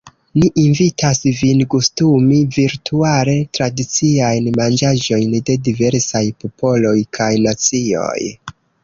Ni invitas vin “gustumi” virtuale tradiciajn manĝaĵojn de diversaj popoloj kaj nacioj.